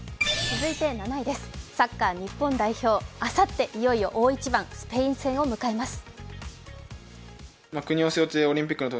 続いて７位です、サッカー日本代表、あさってスペイン戦を迎えます。